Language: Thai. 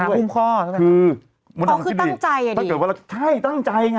อ่าหุ้มค่อคือมดังที่ดีถ้าเกิดว่าใช่ตั้งใจไง